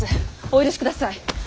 お許しください。